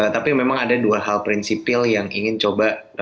tapi memang ada dua hal prinsipil yang ingin coba